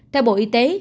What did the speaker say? theo bộ y tế